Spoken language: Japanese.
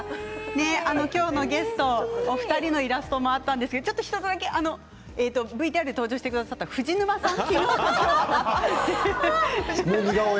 今日のゲスト、お二人のイラストもあったんですが１つだけＶＴＲに登場してくださった藤沼さん。